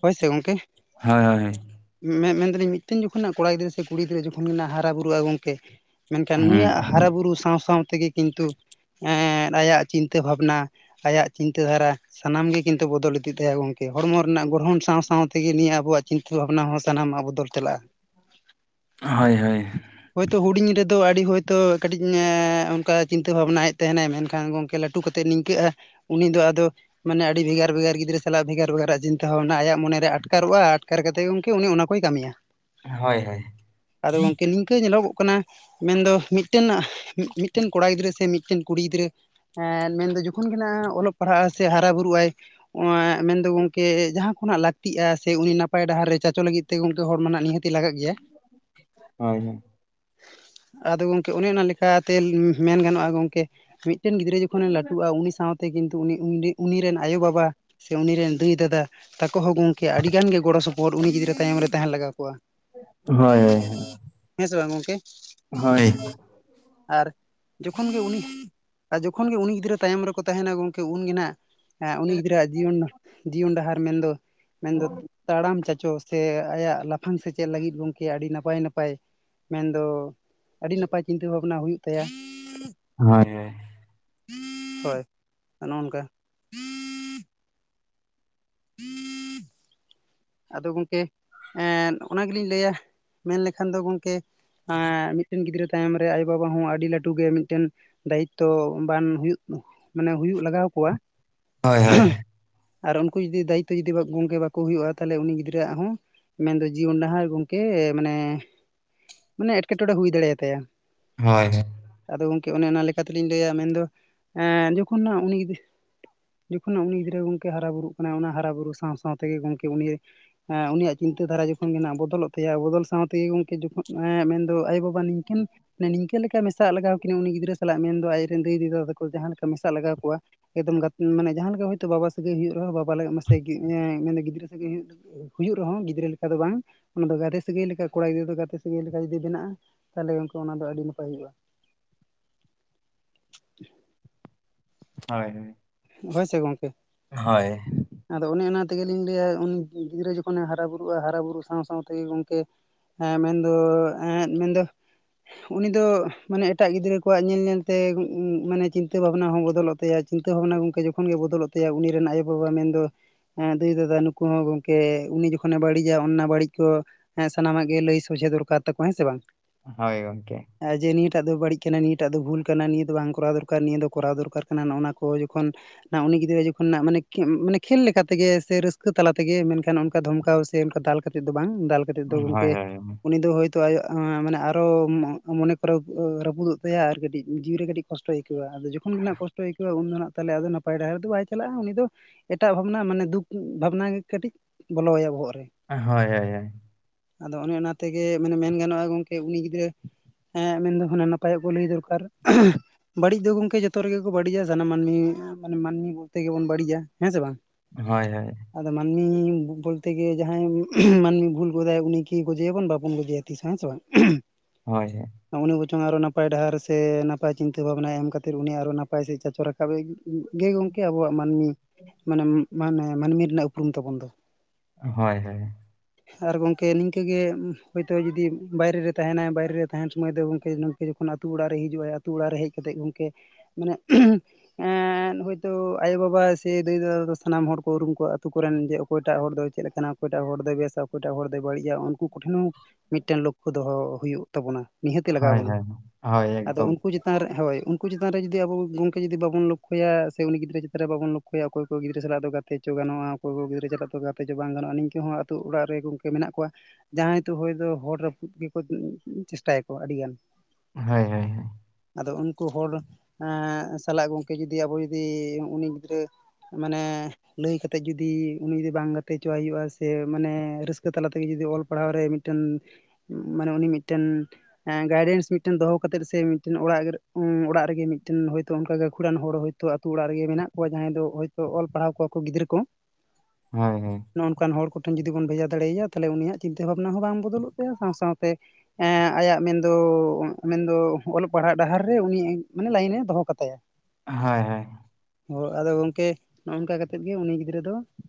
ᱦᱳᱭ ᱥᱮ ᱜᱚᱢᱠᱮ᱾ ᱜᱮᱭᱟ ᱢᱮ ᱢᱮᱱᱫᱟᱹᱞᱤᱧ ᱢᱤᱫᱴᱮᱱ ᱡᱚᱠᱷᱚᱱᱟᱜ ᱠᱚᱲᱟ ᱜᱤᱫᱽᱨᱟᱹ ᱥᱮ ᱠᱩᱲᱤ ᱜᱤᱫᱽᱨᱟᱹ ᱡᱚᱠᱷᱚᱱ ᱜᱮᱱᱟᱜ ᱦᱟᱨᱟ ᱵᱩᱨᱩᱜᱼᱟ ᱜᱚᱝᱠᱮ ᱢᱮᱱᱠᱷᱟᱱ ᱱᱩᱭᱟᱜ ᱦᱟᱨᱟᱼ ᱵᱩᱨᱩ ᱥᱟᱶ ᱥᱟᱶ ᱛᱮᱜᱮ ᱠᱤᱱᱛᱩ ᱮ ᱟᱭᱟᱜ ᱪᱤᱱᱛᱟᱹ ᱵᱷᱟᱵᱱᱟ ᱟᱭᱟᱜ ᱪᱤᱱᱛᱟᱹ ᱫᱷᱟᱨᱟ ᱥᱟᱱᱟᱢᱜ ᱜᱮ ᱠᱤᱱᱛᱩ ᱵᱚᱫᱚᱞ ᱤᱫᱤᱜ ᱛᱟᱭᱟ ᱜᱚᱝᱠᱮ ᱦᱚᱲᱢᱚ ᱨᱮᱱᱟᱜ ᱜᱚ ᱜᱚᱲᱚᱱ ᱥᱟᱶ ᱥᱟᱶ ᱛᱮᱜᱮ ᱱᱤᱭᱟᱹ ᱟᱵᱚᱣᱟᱜ ᱪᱤᱱᱛᱟᱹ ᱵᱷᱟᱵᱱᱟ ᱦᱚᱸ ᱥᱟᱱᱟᱢᱟᱜ ᱵᱚᱫᱚᱞ ᱪᱟᱞᱟᱜᱼᱟ ᱦᱳᱭ ᱦᱳᱭ᱾ ᱦᱳᱭᱛᱳ ᱦᱩᱰᱤᱧ ᱨᱮᱫᱚ ᱟᱹᱰᱤ ᱦᱳᱭᱛᱳ ᱠᱟᱹᱴᱤᱡ ᱚᱱᱠᱟ ᱪᱤᱱᱛᱟᱹ ᱵᱷᱟᱵᱱᱟᱭᱮᱫ ᱛᱟᱦᱮᱱᱮ ᱢᱮᱱᱠᱷᱟᱱ ᱜᱚᱝᱠᱮ ᱞᱟᱹᱴᱩ ᱴᱩ ᱠᱟᱛᱮᱫ ᱱᱤᱝᱠᱟᱹᱜᱼᱟ ᱩᱱᱤ ᱫᱚ ᱟᱫᱚ ᱢᱟᱱᱮ ᱟᱹᱰᱤ ᱵᱷᱮᱜᱟᱨ ᱵᱷᱮᱜᱟᱨ ᱜᱤᱫᱽᱨᱟᱹ ᱥᱟᱞᱟᱜ ᱵᱷᱮᱜᱟᱨ ᱵᱷᱮᱜᱟᱨ ᱟᱜ ᱛᱮ ᱦᱚᱸ ᱚᱱᱟ ᱟᱭᱟᱜ ᱢᱚᱱᱮᱨᱮ ᱟᱴᱠᱟᱨᱚᱜᱼᱟ ᱟᱴᱠᱟᱨ ᱠᱟᱛᱮᱫ ᱜᱮ ᱜᱚᱢᱠᱮ ᱩᱱᱤ ᱚᱱᱟ ᱠᱚᱭ ᱠᱟᱹᱢᱤᱭᱟ᱾ ᱦᱳᱭ ᱦᱩᱸ ᱦᱳᱭ ᱦᱳᱭ ᱦᱳᱭ ᱦᱳᱭ ᱦᱳᱭ ᱟᱫᱚ ᱜᱚᱝᱠᱮ ᱱᱤᱝᱠᱟᱹ ᱧᱮᱞᱚᱜᱚᱜ ᱠᱟᱱᱟ ᱢᱮᱱᱫᱚ ᱢᱤᱫᱴᱮᱱ ᱢᱤᱫᱴᱮᱱ ᱠᱚᱲᱟ ᱜᱤᱫᱽᱨᱟᱹ ᱥᱮ ᱢᱤᱫᱴᱮᱱ ᱠᱩᱲᱤ ᱜᱤᱫᱽᱨᱟᱹ ᱦᱮᱸ ᱢᱮᱱᱫᱚ ᱡᱚᱠᱷᱚᱱ ᱜᱮ ᱦᱟᱸ ᱚᱞᱚᱜ ᱯᱟᱲᱦᱟᱜᱼᱟ ᱥᱮ ᱦᱟᱨᱟ ᱵᱩᱨᱩᱜᱼ ᱟᱭ ᱢᱮᱱᱫᱚ ᱜᱚᱝᱠᱮ ᱠᱮ ᱡᱟᱦᱟᱸ ᱠᱷᱚᱱᱟᱜ ᱞᱟᱹᱠᱛᱤᱜᱼᱟ ᱥᱮ ᱩᱱᱤ ᱱᱟᱯᱟᱭ ᱰᱟᱦᱟᱨ ᱨᱮ ᱪᱟᱪᱚ ᱞᱟᱹᱜᱤᱫ ᱛᱮ ᱜᱚᱝᱠᱮ ᱦᱚᱲᱢᱟ ᱱᱤᱦᱟᱹᱛ ᱛᱤ ᱞᱟᱜᱟᱜ ᱜᱮᱭᱟ᱾ ᱦᱳᱭ ᱟᱫᱚ ᱜᱚᱢᱠᱮ ᱚᱱᱮ ᱚᱱᱟ ᱞᱮᱠᱟᱛᱮ ᱢᱮᱱ ᱜᱟᱱᱚᱜᱼᱟ ᱜᱚᱢᱠᱮ ᱢᱤᱫᱴᱮᱱ ᱜᱤᱫᱽᱨᱟᱹ ᱡᱚᱠᱷᱚᱱᱮ ᱞᱟᱹᱴᱩᱜᱼᱟ ᱩᱱᱤ ᱥᱟᱶᱛᱮ ᱠᱤᱱᱛᱩ ᱩᱱᱤ ᱩᱱᱤ ᱨᱮᱱ ᱟᱭᱳᱵᱟᱵᱟ ᱥᱮ ᱩᱱᱤ ᱨᱮᱱ ᱫᱟᱹᱭ ᱫᱟᱫᱟ ᱛᱟᱠᱚ ᱦᱚᱸ ᱜᱚᱢᱠᱮ ᱟᱹᱰᱤ ᱜᱟᱱ ᱜᱮ ᱜᱚᱲᱚ ᱥᱚᱯᱚᱦᱚᱫ ᱩᱱᱤ ᱜᱤᱫᱽᱨᱟᱹ ᱛᱟᱭᱚᱢ ᱨᱮ ᱛᱟᱦᱮᱸᱱ ᱞᱟᱜᱟ ᱠᱚᱣᱟ᱾ ᱦᱳᱭ ᱦᱳᱭ᱾ ᱦᱮᱸ ᱥᱮ ᱵᱟᱝ ᱜᱚᱝᱠᱮ? ᱦᱳᱭ᱾ ᱟᱨ ᱡᱚᱠᱷᱚᱱ ᱜᱮ ᱩᱱᱤ ᱟ ᱡᱚᱠᱷᱚᱱ ᱜᱮ ᱩᱱᱤ ᱜᱤᱫᱽᱨᱟᱹ ᱛᱟᱭᱚᱢ ᱨᱮᱠᱚ ᱛᱟᱦᱮᱱᱟ ᱜᱚᱢᱠᱮ ᱩᱱᱜᱮ ᱱᱟᱦᱟᱜ ᱦᱮᱸ ᱩᱱᱤ ᱜᱤᱫᱽᱨᱟᱹ ᱟᱜ ᱡᱤᱭᱚᱱ, ᱡᱤᱭᱚᱱ ᱰᱟᱦᱟᱨ ᱢᱮᱱᱫᱚ ᱢᱮᱱᱫᱚ ᱛᱟᱲᱟᱢ ᱪᱟᱪᱚ ᱥᱮ ᱟᱭᱟᱜ ᱞᱟᱯᱷᱟᱝ ᱥᱮᱪᱮᱫ ᱞᱟᱹᱜᱤᱫ ᱜᱚᱝᱠᱮ ᱟᱹᱰᱤ ᱱᱟᱯᱟᱭ ᱱᱟᱯᱟᱭ ᱢᱮᱱᱫᱚ ᱟᱹᱰᱤ ᱱᱟᱯᱟᱭ ᱪᱤᱱᱛᱟᱹ ᱵᱷᱟᱵᱽᱱᱟ ᱦᱩᱭᱩᱜ ᱛᱟᱭᱟ᱾ ᱦᱳᱭ᱾ ᱦᱳᱭ ᱚᱱᱚ ᱚᱱᱠᱟ᱾ [inaudible] ᱟᱫᱚ ᱜᱚᱢᱠᱮ ᱮᱸᱫ ᱚᱱᱟ ᱜᱮᱞᱤᱧ ᱞᱟᱹᱭᱟ ᱢᱮᱱ ᱞᱮᱠᱷᱟᱱ ᱫᱚ ᱜᱚᱢᱠᱮ ᱮᱸ ᱢᱤᱫᱴᱮᱱ ᱜᱤᱫᱽᱨᱟᱹ ᱛᱟᱭᱚᱢ ᱨᱮ ᱟᱭᱳ ᱵᱟᱵᱟ ᱦᱚᱸ ᱟᱹᱰᱤ ᱞᱟᱹᱴᱩ ᱜᱮ ᱢᱤᱫᱴᱮᱱ ᱫᱟᱭᱤᱛᱛᱚ ᱵᱟᱱ ᱦᱩᱭᱩᱜ ᱢᱟᱱᱮ ᱦᱩᱭᱩᱜ ᱞᱟᱜᱟᱣ ᱠᱚᱣᱟ᱾ ᱦᱳᱭ ᱦᱳᱭ᱾ ᱟᱨ ᱩᱱᱠᱩ ᱡᱩᱫᱤ ᱫᱟᱭᱤᱛᱛᱚ ᱡᱩᱫᱤ ᱜᱚᱝᱠᱮ ᱵᱟᱠᱚ ᱦᱩᱭᱩᱜᱼᱟ ᱛᱟᱦᱚᱞᱮ ᱩᱱᱤ ᱜᱤᱫᱽᱨᱟᱹᱜ ᱦᱚᱸ ᱢᱮᱱᱫᱚ ᱡᱤᱭᱚᱱ ᱰᱟᱦᱟᱨ, ᱜᱚᱢᱠᱮ ᱢᱟᱱᱮ ᱢᱟᱱᱮ ᱮᱴᱠᱮᱴᱚᱲᱮ ᱦᱩᱭ ᱫᱟᱲᱮᱭᱟᱛᱟᱭᱟ᱾ ᱦᱳᱭ ᱦᱳᱭ᱾ ᱟᱫᱚ ᱜᱚᱝᱠᱮ ᱚᱱᱮ ᱚᱱᱟ ᱞᱮᱠᱟ ᱛᱮᱞᱤᱧ ᱞᱟᱹᱭᱟ ᱢᱮᱱᱫᱚ ᱮᱸ ᱡᱚᱠᱷᱚᱱ ᱩᱱᱤ ᱡᱚᱠᱷᱚᱱ ᱩᱱᱤ ᱜᱤᱫᱽᱨᱟᱹ ᱜᱚᱢᱠᱮ ᱦᱟᱨᱟ ᱵᱩᱨᱩᱜ ᱠᱟᱱᱟᱭ ᱚᱱᱟ ᱦᱟᱨᱟ ᱵᱩᱨᱩ ᱥᱟᱶ ᱥᱟᱶᱛᱮᱜᱮ, ᱜᱠᱮ ᱩᱱᱤ ᱮᱸ ᱩᱱᱤᱭᱟᱜ ᱪᱤᱱᱛᱟᱹ ᱫᱷᱟᱨᱟ ᱡᱚᱠᱷᱚᱱ ᱜᱮ ᱱᱟᱜ ᱵᱚᱫᱚᱞᱚᱜ ᱛᱟᱭᱟ ᱵᱚᱫᱚᱞ ᱥᱟᱶ ᱛᱮᱜᱮ ᱜᱚᱢᱠᱮ ᱡᱚᱠᱷᱚᱱ ᱢᱮᱱᱫᱚ ᱟᱭᱳ ᱵᱟᱵᱟ ᱱᱤᱝᱠᱟᱹᱱ ᱢᱟᱱᱮ ᱱᱤᱝᱠᱟᱹ ᱞᱮᱠᱟ ᱢᱮᱥᱟᱜ ᱞᱟᱜᱟᱣ ᱠᱤᱱᱟᱹ ᱩᱱᱤ ᱜᱤᱫᱽᱨᱟᱹ ᱥᱟᱞᱟᱜ ᱢᱮᱱᱫᱚ ᱟᱡᱨᱮ ᱫᱟᱹᱭ ᱫᱤ ᱫᱟᱫᱟ ᱛᱟᱠᱚ ᱡᱟᱦᱟᱸ ᱞᱮᱠᱟ ᱢᱮᱥᱟᱜ ᱞᱟᱜᱟᱣ ᱠᱚᱣᱟ᱾ ᱮᱫᱚᱢ ᱜᱟ ᱢᱟᱱᱮ ᱡᱟᱦᱟᱸ ᱞᱮᱠᱟ ᱦᱳᱭᱛᱳ ᱵᱟᱵᱟ ᱥᱟᱹᱜᱟᱹᱭ ᱦᱩᱭᱩᱜ ᱨᱮᱦᱚᱸ ᱵᱟᱵᱟ ᱢᱟᱥᱮ ᱢᱮᱱ ᱜᱤᱫᱽᱨᱟᱹ [unintelligible] ᱦᱩᱭᱩᱜ ᱨᱮᱦᱚᱸ ᱜᱤᱫᱽᱨᱟᱹ ᱞᱮᱠᱟ ᱫᱚ ᱵᱟᱝ᱾ ᱚᱱᱟ ᱫᱚ ᱜᱟᱛᱮ ᱥᱟᱹᱜᱟᱹᱭ ᱞᱮᱠᱟ ᱠᱚᱲᱟ ᱜᱤᱫᱽᱨᱟᱹ ᱫᱚ ᱜᱟᱛᱮ ᱥᱟᱹᱜᱟᱹᱭ ᱞᱮᱠᱟ ᱡᱩᱫᱤ ᱵᱮᱱᱟᱜ ᱛᱟᱦᱚᱞᱮ ᱩᱱᱠᱩ ᱚᱱᱟ ᱫᱚ ᱟᱹᱰᱤ ᱱᱟᱯᱟᱭ ᱦᱩᱭᱩᱜᱼᱟ᱾ ᱦᱳᱭᱻᱦᱮ᱾ ᱦᱳᱭ ᱥᱮ ᱜᱚᱝᱠᱮ᱾ ᱦᱳᱭ᱾ ᱟᱫᱚ ᱚᱱᱮ ᱚᱱᱟ ᱛᱮᱜᱮᱞᱤᱧ ᱞᱟᱹᱭᱟ ᱩᱱᱤ ᱜᱤᱫᱽᱨᱟᱹ ᱡᱚᱠᱷᱚᱱᱮ ᱦᱟᱨᱟ ᱵᱩᱨᱩᱜᱼᱟ ᱦᱟᱨᱟ ᱵᱩᱨᱩᱜ ᱥᱟᱶ ᱥᱟᱶᱛᱮ, ᱜᱚᱝᱠᱮ ᱦᱮᱸ ᱢᱮᱱᱫᱚ ᱮᱸᱫ ᱢᱮᱱᱫᱚ ᱩᱱᱤᱫᱚ ᱢᱟᱱᱮ ᱮᱴᱟᱜ ᱜᱤᱫᱽᱨᱟᱹ ᱠᱚᱣᱟᱜ ᱧᱮᱞ ᱧᱮᱞᱛᱮ ᱢᱟᱱᱮ ᱪᱤᱱᱛᱟᱹ ᱵᱷᱟᱵᱱᱟ ᱦᱚᱸ ᱵᱚᱫᱚᱞᱚᱜ ᱛᱟᱭᱟ᱾ ᱪᱤᱱᱛᱟᱹ ᱵᱷᱟᱵᱽᱱᱟ ᱜᱚᱝᱠᱮ ᱡᱚᱠᱷᱚᱱ ᱜᱮ ᱵᱚᱞᱚᱜ ᱛᱟᱭ ᱩᱱᱤ ᱨᱮᱱ ᱟᱭᱳᱵᱟᱰᱟ ᱢᱮᱱᱫᱟ [unintelligible] ᱫᱟᱹᱭ ᱫᱟᱫᱟ ᱱᱩᱠᱩ ᱦᱚᱸ ᱜᱚᱢᱠᱮ ᱩᱱᱤ ᱡᱚᱠᱷᱚᱱᱮ ᱵᱟᱹᱲᱤᱡᱟ ᱚᱱᱟ ᱵᱟᱹᱲᱤᱡ ᱠᱚ ᱦᱮᱸ ᱥᱟᱱᱟᱢᱟᱜ ᱜᱮ ᱞᱟᱹᱭ ᱥᱚᱡᱷᱮ ᱫᱚᱨᱠᱟᱨ ᱛᱟᱠᱚᱣᱟ ᱦᱮᱸ ᱥᱮ ᱵᱟᱝ? ᱦᱳᱭ ᱜᱚᱝᱠᱮ᱾ ᱱᱚᱼᱚᱭ ᱡᱮ ᱱᱤᱭᱟᱹᱴᱟᱜ ᱫᱚ ᱵᱟᱹᱲᱤᱡ ᱠᱟᱱᱟ ᱱᱤᱭᱟᱹᱴᱟᱜ ᱫᱚ ᱵᱷᱩᱞ ᱠᱟᱱᱟ ᱱᱤᱭᱟᱹ ᱫᱚ ᱵᱟᱝ ᱠᱚᱨᱟᱣ ᱫᱚᱨᱠᱟᱨ ᱱᱤᱭᱟᱹ ᱫᱚ ᱠᱚᱨᱟᱣ ᱫᱚᱨᱠᱟᱨ ᱠᱟᱱᱟ, ᱱᱚᱜᱼᱚ ᱱᱚᱣᱟ ᱠᱚ ᱡᱚᱠᱷᱚᱱ ᱱᱟᱜ ᱩᱱᱤ ᱜᱤᱫᱽᱨᱟᱹ ᱡᱚᱠᱷᱚᱱ ᱱᱟᱜ ᱢᱟᱱᱮ ᱠᱤ ᱢᱟᱱᱮ ᱠᱷᱮᱞ ᱞᱮᱠᱟ ᱛᱮᱜᱮ ᱥᱮ ᱨᱟᱹᱥᱠᱟᱹ ᱛᱟᱞᱟ ᱛᱮᱜᱮ ᱢᱮᱱᱠᱷᱟᱱ ᱚᱱᱠᱟ ᱫᱷᱢᱠᱟᱣ ᱥᱮ ᱚᱱᱠᱟ ᱫᱟᱞ ᱠᱟᱛᱮᱫ ᱫᱚ ᱵᱟᱝ ᱫᱟᱞ ᱠᱟᱛᱮ ᱫᱚ ᱦᱳᱭ, ᱜᱚᱝᱠᱮ ᱦᱳᱭ, ᱦᱳᱭ, ᱩᱱᱤ ᱫᱚ ᱦᱚ ᱛᱚ ᱟᱭᱚ ᱟᱜ ᱢᱟᱱᱮ ᱟᱨᱚ ᱢᱚᱜ ᱢᱟᱱᱮ ᱠᱚᱨᱟ ᱨᱹᱯᱩᱫᱚᱜ ᱛᱟᱭᱟ ᱟᱨ ᱠᱟᱹᱴᱤᱡ ᱡᱤᱣᱤᱨᱮ ᱠᱟᱹᱴᱤᱡ ᱠᱚᱥᱴᱚᱭ ᱟᱹᱭᱠᱟᱹᱣᱟ ᱟᱫᱚ ᱡᱚᱠᱷᱚᱱ ᱜᱮᱱᱟᱦᱜ ᱠᱚᱥᱴᱚᱭ ᱟᱹᱭᱠᱟᱣᱼᱟ ᱩᱱᱫᱚ ᱱᱟᱦᱟᱜ ᱱᱟᱯᱟᱭ ᱰᱟᱦᱟᱨ ᱫᱚ ᱵᱟᱭ ᱪᱟᱞᱟᱜᱼᱟ ᱩᱱᱤ ᱫᱚ ᱮᱴᱟᱜ ᱵᱷᱟᱵᱽᱱᱟ ᱢᱟᱱᱮ ᱫᱩᱠ ᱵᱷᱟᱵᱽᱱᱟ ᱜᱮ ᱠᱟᱹᱴᱤᱡ ᱵᱚᱞᱚᱟᱭᱟ ᱵᱚᱦᱚᱜ ᱨᱮ ᱦᱳᱭ ᱦᱳᱭ ᱦᱳᱭ ᱟᱫᱚ ᱚᱱᱮ ᱚᱱᱟ ᱛᱮᱜᱮ ᱢᱟᱱᱮ ᱢᱮᱱ ᱜᱟᱱᱚᱜᱼᱟ ᱜᱚᱝᱠᱮ ᱩᱱᱤ ᱜᱤᱫᱽᱨᱟ ᱦᱮᱸ ᱢᱮᱱᱫᱚ ᱦᱩᱱᱟᱱ ᱱᱟᱯᱟᱭᱟᱜ ᱠᱚ ᱞᱟᱹᱭ ᱫᱚᱨᱠᱟᱨ ᱵᱟᱹᱲᱤᱡ ᱫᱚ ᱜᱚᱝᱠᱮ ᱡᱚᱛᱚ ᱨᱮᱜᱮ ᱠᱚ ᱵᱟᱹᱲᱤᱡᱟ ᱥᱟᱱᱟᱢ ᱢᱟᱱᱢᱤ ᱢᱟᱱᱮ ᱢᱟᱱᱢᱤ ᱵᱚᱞᱛᱮ ᱜᱮᱵᱚᱱ ᱵᱟᱹᱲᱤᱡᱟ ᱦᱮᱸ ᱥᱮ ᱵᱟᱝ ᱦᱳᱭ ᱦᱳᱭ ᱟᱫᱚ ᱢᱟᱱᱢᱤ ᱵᱚᱞᱛᱮ ᱜᱮ ᱡᱟᱦᱟᱸᱭ ᱢᱟᱹᱱᱢᱤ ᱵᱷᱩᱞ ᱜᱚᱫᱟᱭ ᱩᱱᱤ ᱠᱤ ᱜᱚᱡᱮᱭᱟᱵᱚᱱ ᱵᱟᱵᱚᱱ ᱜᱚᱡᱮᱭᱟ ᱛᱤᱥ ᱦᱚᱸ ᱦᱮᱸ ᱥᱮ ᱵᱟᱝ ᱦᱳᱭ ᱦᱳᱭ ᱩᱱᱤ ᱵᱚᱪᱚᱝ ᱟᱨᱚ ᱱᱟᱯᱟᱭ ᱰᱟᱦᱟᱨ ᱥᱮ ᱱᱟᱯᱟᱭ ᱪᱤᱱᱛᱟᱹ ᱵᱷᱟᱵᱱᱟ ᱮᱢ ᱠᱟᱛᱮᱫ ᱩᱱᱤ ᱟᱨᱚ ᱱᱟᱯᱟᱭ ᱥᱮᱡ ᱪᱟᱪᱚ ᱨᱟᱠ ᱜᱮ ᱜᱚᱝᱠᱮ ᱟᱵᱚᱣᱟᱜ ᱢᱟᱹᱱᱢᱤ ᱢᱟᱱᱮ ᱢᱟᱱᱮ ᱢᱟᱹᱱᱢᱤ ᱨᱮᱱᱟᱜ ᱩᱯᱨᱩᱢ ᱛᱟᱵᱚᱱ ᱫᱚ ᱦᱳᱭ ᱦᱳᱭ ᱦᱳᱭ ᱟᱨ ᱜᱚᱝᱠᱮ ᱱᱤᱝᱠᱟᱹᱜᱮ ᱦᱚᱳᱭᱛᱚ ᱡᱩᱫᱤ ᱵᱟᱭᱨᱮ ᱨᱮ ᱛᱟᱦᱮᱱᱟᱭ ᱵᱟᱭᱨᱮ ᱨᱮ ᱛᱟᱦᱮᱱ ᱥᱚᱢᱚᱭ ᱫᱚ ᱜᱚᱝᱠᱮ ᱡᱚᱠᱷᱚᱱ ᱟᱹᱛᱩ ᱚᱲᱟᱜ ᱨᱮ ᱦᱤᱡᱩᱜᱼᱟ ᱟᱭ ᱟᱹᱛᱩ ᱚᱲᱟᱜ ᱨᱮ ᱦᱮᱡ ᱠᱟᱛᱮᱫ ᱜᱚᱝᱠᱮ ᱢᱟᱱᱮ ᱮᱸᱫ ᱦᱳᱭᱛᱚ ᱟᱭᱚ ᱵᱟᱵᱟ ᱥᱮ ᱫᱟᱹᱭ ᱫᱟᱫᱟ ᱫᱚ ᱥᱟᱱᱟᱢ ᱦᱚᱲ ᱠᱚ ᱩᱨᱩᱢ ᱠᱚᱣᱟ ᱟᱛᱩ ᱠᱚᱨᱮᱱ ᱡᱮ ᱚᱠᱚᱭᱴᱟᱜ ᱦᱚᱲ ᱫᱚᱭ ᱪᱮᱫ ᱞᱮᱠᱟᱱᱟ ᱚᱠᱚᱭᱴᱟᱜ ᱦᱚᱲ ᱫᱚᱭ ᱵᱮᱥᱟ ᱚᱠᱚᱭᱴᱟᱜ ᱦᱚᱲ ᱫᱚᱭ ᱵᱟᱹᱲᱤᱡᱼᱟ ᱩᱱᱠᱩ ᱠᱚᱴᱷᱮᱱ ᱦᱚᱸ ᱢᱤᱫᱴᱮᱱ ᱞᱚᱠᱠᱷᱚ ᱫᱚᱦᱚ ᱦᱩᱭᱩᱜᱼᱟ ᱛᱟᱵᱚᱱᱟ ᱱᱤᱦᱟᱹᱛᱤ ᱞᱟᱜᱟᱣ ᱵᱚᱱᱟ ᱦᱳᱭ, ᱦᱳᱭ, ᱟᱫᱚ ᱮᱠᱫᱚᱢ᱾ ᱩᱱᱠᱩ ᱡᱚ ᱪᱮᱛᱟᱱ ᱨᱮ ᱦᱳᱭ ᱩᱱᱠᱩ ᱪᱮᱛᱟᱱ ᱨᱮ ᱡᱩᱫ ᱟᱵᱚ ᱜᱚᱝᱠᱮ ᱡᱩᱫᱤ ᱵᱟᱵᱚᱱ ᱞᱚᱠᱠᱷᱚᱭᱟ ᱥᱮ ᱩᱱᱤ ᱜᱤᱫᱽᱨᱟᱹ ᱪᱮᱛᱟᱱ ᱨᱮ ᱵᱟᱵᱚᱱ ᱞᱚᱠ ᱞᱚᱠᱠᱷᱚᱭᱟ ᱚᱠᱚᱭ ᱚᱠᱚᱭ ᱜᱤᱫᱽᱨᱟᱹ ᱥᱟᱞᱟᱜ ᱫᱚ ᱜᱟᱛᱮ ᱪᱚ ᱜᱚᱜᱼᱟ ᱚᱠᱚᱭ ᱠᱚ ᱜᱤᱫᱽᱨ ᱥᱟᱞᱟᱜ ᱫᱚ ᱜᱟᱛᱮ ᱪᱚ ᱵᱟᱝ ᱜᱟᱱᱚᱜᱼᱟ ᱱᱤᱝᱠᱟᱹ ᱦᱚᱸ ᱟᱹᱛᱩ ᱚᱲᱟᱜ ᱨᱮ ᱜᱚᱝᱠᱮ ᱢᱮᱱᱟᱜ ᱠᱚᱣᱟ ᱡᱟᱦᱟᱸᱭᱛᱚ ᱦᱚᱭᱫᱚ ᱦᱚᱲ ᱨᱟᱹᱯᱩᱫ ᱜᱮᱠᱚ ᱪᱮᱥᱴᱟᱭᱟᱠᱚ ᱟᱹᱰᱤᱜᱟᱱ ᱦᱳᱭ ᱦᱳᱭ ᱦᱳᱭ ᱟᱫᱚ ᱩᱱᱠᱩ ᱦᱚᱲ ᱥᱟᱞᱟᱜ ᱜᱚᱝᱠᱮ ᱡᱩᱫᱤ ᱟᱵᱚ ᱡᱩᱫᱤ ᱩᱱᱤ ᱜᱤᱫᱽᱨᱟᱹ ᱢᱟᱱᱮ ᱞᱟᱹᱭ ᱠᱟᱛᱮᱫ ᱡᱩᱫᱤ ᱩᱱᱤ ᱡᱩᱫᱤ ᱵᱟᱝ ᱜᱟᱛᱮ ᱦᱚᱪᱚᱣᱟᱭ ᱦᱩᱭᱩᱜᱼᱟ ᱥᱮ ᱢᱟᱱᱮ ᱨᱟᱹᱥᱠᱟᱹ ᱛᱟᱞᱟ ᱛᱮᱜᱮ ᱡᱩᱫᱤ ᱚᱞ ᱯᱟᱲᱦᱟᱣ ᱨᱮᱭ ᱢᱤᱫᱴᱟᱹᱱ ᱢᱟᱱᱮ ᱩᱱᱤ ᱢᱤᱫᱴᱟᱹᱱ ᱜᱟᱭᱰᱮᱱᱥ ᱢᱤᱫᱴᱮᱱ ᱫᱚᱦᱚ ᱠᱟᱛᱮᱫ ᱥᱮ ᱢᱤᱫᱴᱮᱱ ᱚᱲᱟᱜ ᱚᱲᱟᱜ ᱨᱮᱜᱮ ᱢᱤᱫᱴᱮᱱ ᱦᱚᱭᱛᱳ ᱚᱱᱠᱟ ᱜᱟᱹᱠᱷᱩᱲᱟᱱ ᱦᱚᱲ ᱦᱚᱭ ᱟᱹᱛᱩ ᱟᱹᱛᱩ ᱚᱲᱟᱜ ᱨᱮᱜᱮ ᱢᱮᱱᱟᱜ ᱠᱚᱣᱟ ᱡᱟᱦᱟᱸᱭ ᱫᱚ ᱦᱚᱭᱛᱳ ᱚᱞ ᱯᱟᱲᱦᱟᱣ ᱠᱚᱣᱟ ᱠᱚ ᱜᱤᱫᱽᱨᱟᱹ ᱠᱚ ᱦᱳᱭ ᱦᱳᱭ ᱱᱚᱜᱚᱱᱠᱟᱱ ᱦᱚᱲ ᱠᱚᱴᱷᱮᱱ ᱡᱩᱫᱤ ᱵᱚᱱ ᱵᱷᱮᱡᱟ ᱫᱟᱱᱮᱭᱭᱟ ᱛᱟᱦᱚᱞᱮ ᱩᱱᱤᱭᱟᱜ ᱪᱤᱱᱛᱟ ᱵᱟᱹᱷᱟᱱᱟ ᱦᱚᱸ ᱵᱟᱝ ᱵᱚᱫᱚᱞᱚᱜ ᱛᱟᱭᱟ ᱥᱟᱶ ᱥᱟᱶᱛᱮ ᱟᱭᱟᱜ ᱢᱮᱱᱫᱚ ᱢᱮᱱᱫᱚ ᱚᱞᱚᱜ ᱯᱟᱲᱦᱟᱜ ᱰᱟᱦᱟᱨ ᱨᱮ ᱩᱱᱤ ᱢᱟᱱᱮ ᱞᱟᱭᱤᱱᱮ ᱫᱚᱦᱚ ᱠᱟᱛᱟᱭᱟ ᱦᱳᱭ ᱦᱳᱭ ᱦᱚᱸ ᱟᱫᱚ ᱜᱚᱝᱠᱮ ᱱᱚᱜᱚᱝᱠᱟ ᱠᱟᱛᱮᱫ ᱜᱮ ᱩᱱᱤ ᱜᱤᱫᱽᱨᱟᱹ ᱫᱚ